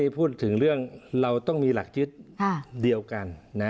พูดถึงเรื่องเราต้องมีหลักยึดเดียวกัน